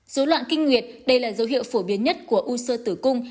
dối loạn kinh nguyệt đây là dấu hiệu phổ biến nhất của u sơ tử cung